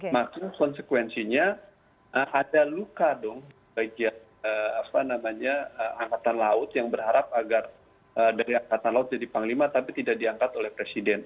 maka konsekuensinya ada luka dong bagi angkatan laut yang berharap agar dari angkatan laut jadi panglima tapi tidak diangkat oleh presiden